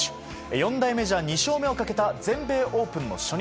四大メジャー２勝目をかけた全米オープン初日。